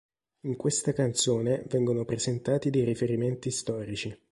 In questa canzone vengono presentati dei riferimenti storici.